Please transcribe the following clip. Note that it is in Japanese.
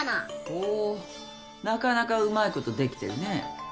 ほうなかなかうまいことできてるね。